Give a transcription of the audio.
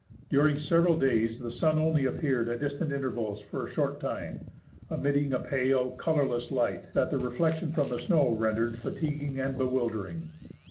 During several days the sun only appeared at distant interv^als for a short time, emitting a pale, colourless light that the reflection from the snow rendered fatiguing and bewildering.